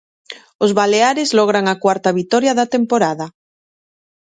Os baleares logran a cuarta vitoria da temporada.